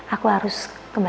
aku harus kembali